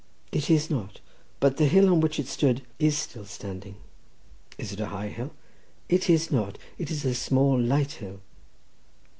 "It is not; but the hill on which it stood is still standing." "Is it a high hill?" "It is not; it is a small, light hill."